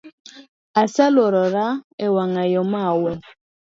Aseluorora ewang’ayo maol